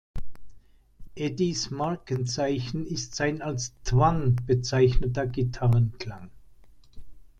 Eddys Markenzeichen ist sein als "„Twang“" bezeichneter Gitarrenklang.